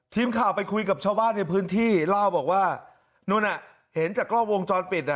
ทีมข่าวไปคุยกับชาวบ้านในพื้นที่เล่าบอกว่านู่นน่ะเห็นจากกล้องวงจรปิดอ่ะ